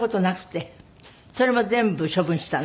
それも全部処分したの？